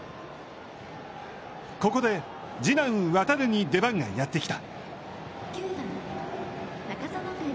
ここで、次男・航に出番がやってきた。